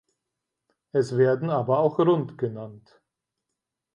Es werden aber auch rund genannt.